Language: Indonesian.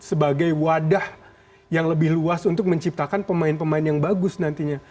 sebagai wadah yang lebih luas untuk menciptakan pemain pemain yang bagus nantinya